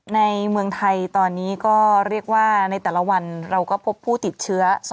ในเมืองไทยตอนนี้ก็เรียกว่าในแต่ละวันเราก็พบผู้ติดเชื้อ